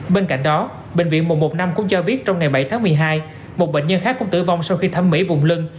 bên cạnh đó bệnh viện một trăm một mươi năm cũng cho biết trong ngày bảy tháng một mươi hai một bệnh nhân khác cũng tử vong sau khi thẩm mỹ vùng lưng